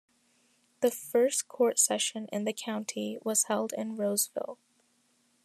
The first court session in the county was held in Roseville.